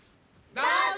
どうぞ！